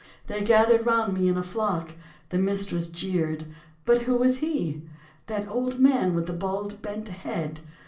They gathered round me in a flock ; The mistress jeered. But who was he. 66 That old man with the bald, bent head